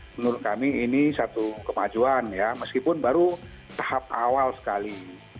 menurut kami ini satu kemajuan ya meskipun baru tahap awal sekali